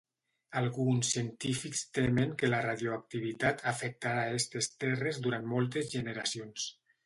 Alguns científics temen que la radioactivitat afectarà estes terres durant moltes generacions.